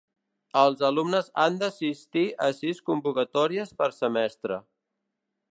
Els alumnes han d'assistir a sis convocatòries per semestre.